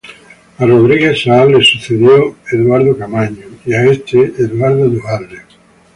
Rodríguez Saá fue sucedido por Eduardo Camaño y este por Eduardo Duhalde.